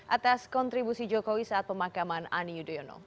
atas kontribusi jokowi saat pemakaman ani yudhoyono